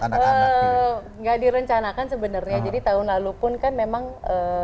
anak anak nggak direncanakan sebenarnya jadi tahun lalu pun kan memang tapi sudah memulai